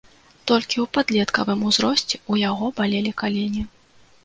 Толькі ў падлеткавым узросце ў яго балелі калені.